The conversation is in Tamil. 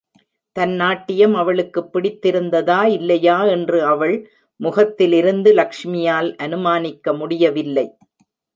தன் நாட்டியம் அவளுக்குப் பிடித்திருந்ததா இல்லையா என்று அவள் முகத்திலிருந்து லக்ஷ்மியால் அனுமானிக்க முடியவில்லை.